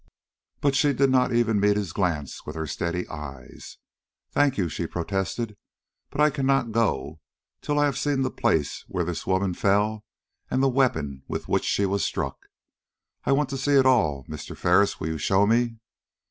But she did not even meet his glance with her steady eyes. "Thank you," she protested; "but I cannot go till I have seen the place where this woman fell and the weapon with which she was struck. I want to see it all. Mr. Ferris, will you show me?"